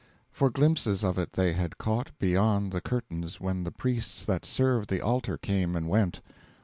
For glimpses of it they had caught Beyond the curtains when the priests That served the altar came and went.